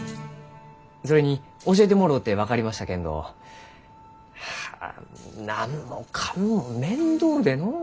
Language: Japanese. それに教えてもろうて分かりましたけんどはあ何もかんも面倒でのう。